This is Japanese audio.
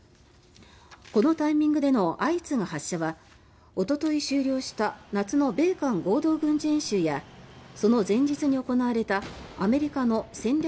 このタイミングでの相次ぐ発射はおととい終了した夏の米韓合同軍事演習やその前日に行われたアメリカの戦略